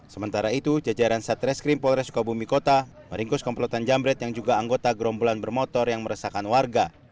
sementara itu jajaran satreskrim polres sukabumi kota meringkus komplotan jambret yang juga anggota gerombolan bermotor yang meresahkan warga